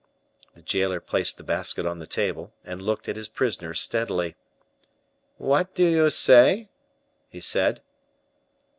The jailer placed the basket on the table, and looked at his prisoner steadily. "What do you say?" he said.